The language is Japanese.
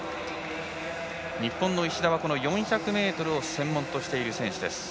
日本の石田は４００ｍを専門とする選手。